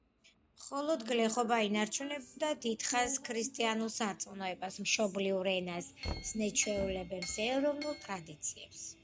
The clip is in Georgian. მხოლოდ გლეხობა ინარჩუნებდა დიდხანს ქრისტიანულ სარწმუნოებას, მშობლიურ ენას, ზნე-ჩვეულებებს, ეროვნულ ტრადიციებს.